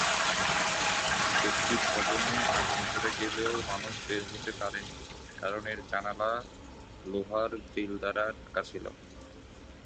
একটি ভবনে আগুন ধরে গেলেও মানুষ বের হতে পারেনি কারণ এর জানালা লোহার গ্রিল দ্বারা ঢাকা ছিলো।